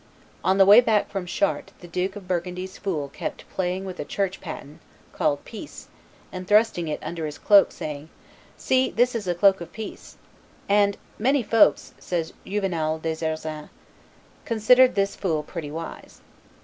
On the way back from Chartres the Duke of Burgundy's fool kept playing with a church paten (called "peace"), and thrusting it under his cloak, saying, "See, this is a cloak of peace;" and, "Many folks," says Juvenal des Ursins, "considered this fool pretty wise."